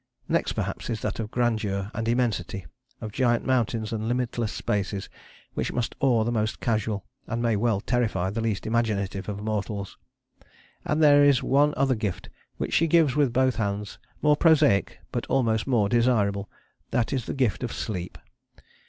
Next, perhaps, is that of grandeur and immensity, of giant mountains and limitless spaces, which must awe the most casual, and may well terrify the least imaginative of mortals. And there is one other gift which she gives with both hands, more prosaic, but almost more desirable. That is the gift of sleep.